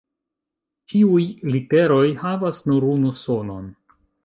Ĉiuj literoj havas nur unu sonon.